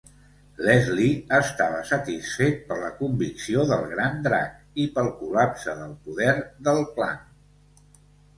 Leslie estava satisfet per la convicció del Gran Drac i pel col·lapse del poder del Klan.